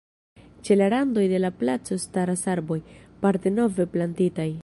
Ĉe la randoj de la placo staras arboj, parte nove plantitaj.